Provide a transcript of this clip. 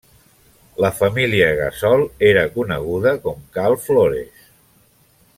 La família Gassol era coneguda com cal Flores.